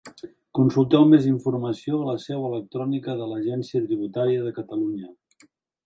Consulteu més informació a la seu electrònica de l'Agència Tributària de Catalunya.